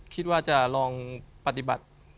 คิดว่าจะลองปฏิบัติ